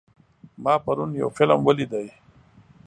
ما پرون یو فلم ولید.